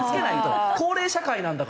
高齢社会なんだから。